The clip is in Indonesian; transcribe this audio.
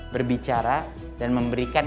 berbicara dan memberikan